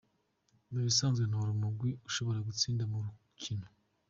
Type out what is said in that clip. "Mu bisanzwe ntora umugwi ushobora gutsinda mu rukino.